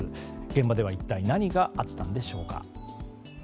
現場では一体何があったんでしょうか。